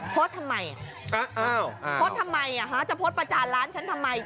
โทษทำไมโทษทำไมจะโทษประจานร้านฉันทำไม